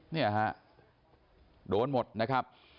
เนี่ยฮะโดนหมดนะครับ